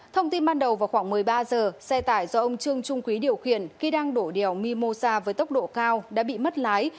thông tin ban đầu vào khoảng một mươi ba giờ xe tải do ông trương trung quý điều khiển khi đang đổ đèo mimosa với tốc độ cao đã bị mất lái